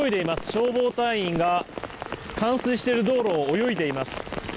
消防隊員が冠水している道路を泳いでいます。